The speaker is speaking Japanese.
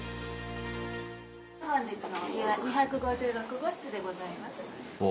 本日のお部屋２５６号室でございます。